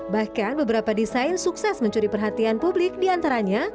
bahkan beberapa desain sukses mencuri perhatian publik diantaranya